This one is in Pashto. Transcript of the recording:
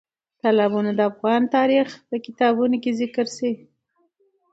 تالابونه د افغان تاریخ په کتابونو کې ذکر شوی دي.